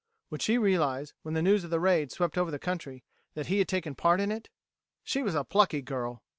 Would she realize, when the news of the raid swept over the country, that he had taken part in it? She was a plucky girl!